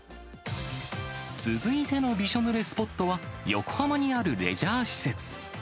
続いてのびしょぬれスポットは、横浜にあるレジャー施設。